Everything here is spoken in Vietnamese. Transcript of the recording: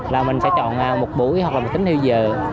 là mình sẽ chọn một buổi hoặc là một tính theo giờ